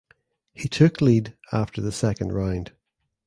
He took lead after the second round.